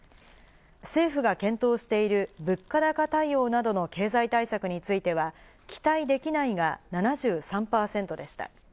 政府が検討している物価高対応などの経済対策については期待できないが７３％でした。